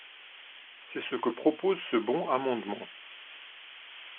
C’est ce que propose ce bon amendement.